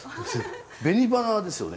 紅花ですよね？